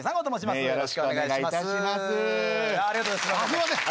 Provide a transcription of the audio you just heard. すみません！